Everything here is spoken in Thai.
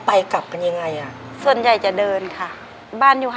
ในแคมเปญพิเศษเกมต่อชีวิตโรงเรียนของหนู